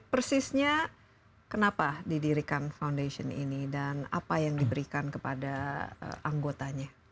persisnya kenapa didirikan foundation ini dan apa yang diberikan kepada anggotanya